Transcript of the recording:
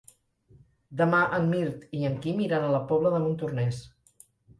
Demà en Mirt i en Quim iran a la Pobla de Montornès.